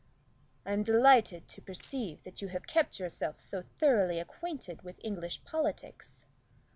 "I'm delighted to perceive that you have kept yourself so thoroughly acquainted with English politics."